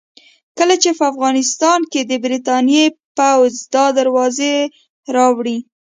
کله چې په افغانستان کې د برتانیې پوځ دا دروازې راوړې.